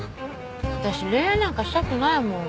私恋愛なんかしたくないもん。